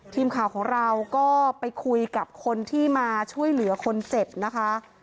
ทีมข่าวของเราก็ไปคุยกับคนที่มาช่วยเหลือคนเจ็บนะคะ